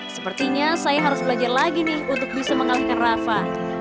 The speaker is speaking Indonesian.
sepertinya saya harus belajar lagi nih untuk bisa mengalihkan rafa